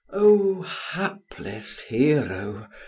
O hapless Hero!